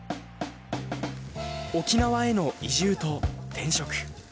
沖縄への移住と転職。